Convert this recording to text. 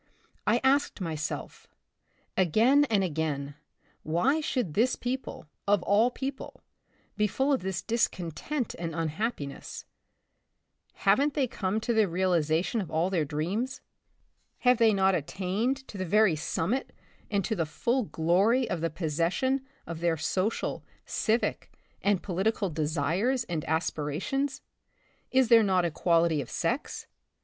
I asked myself, again and again, why should this people, of all peo ple, be full of this discontent and unhappi ness ? Haven't they come to the realization of all their dreams? Have they not attained to the very summit and to the full glory of the possession of their social, civic and political desires and aspirations? Is there not equality of sex?